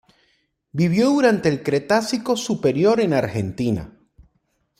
Vivió durante el Cretácico Superior en Argentina.